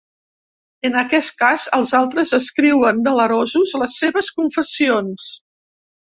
En aquest cas els altres escriuen delerosos les seves confessions.